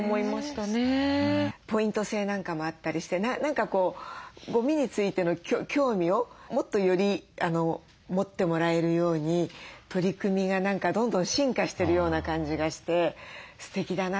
ポイント制なんかもあったりして何かゴミについての興味をもっとより持ってもらえるように取り組みがどんどん進化してるような感じがしてすてきだなと。